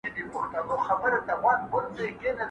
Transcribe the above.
¬ بې مزده کار مي نه زده، چي مزد راکې، بيا مي ښه زده.